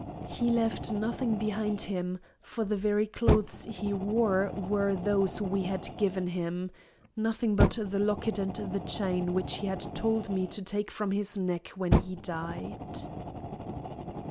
He left nothing behind him, for the very clothes he wore were those we had given him nothing but the locket and the chain which he had told me to take from his neck when he died."